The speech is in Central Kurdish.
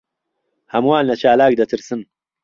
ھەمووان لە چالاک دەترسن.